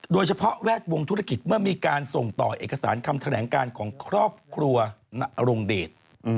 แวดวงธุรกิจเมื่อมีการส่งต่อเอกสารคำแถลงการของครอบครัวนรงเดช